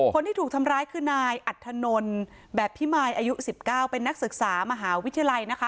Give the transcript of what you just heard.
คนที่ถูกทำร้ายคือนายอัธนลแบบพิมายอายุ๑๙เป็นนักศึกษามหาวิทยาลัยนะคะ